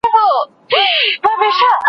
آیا برېښنايي دروازه تر عادي دروازې خوندي ده؟